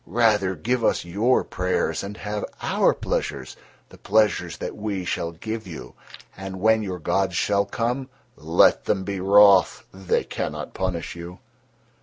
Rather give us your prayers and have our pleasures, the pleasures that we shall give you, and when your gods shall come, let them be wroth—they cannot punish you."